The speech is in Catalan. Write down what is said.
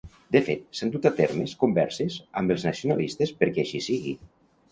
De fet, s'han dut a termes converses amb els nacionalistes perquè així sigui.